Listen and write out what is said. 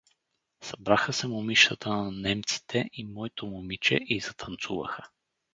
Събраха се момичетата на немците, и мойто момиче, и затанцуваха.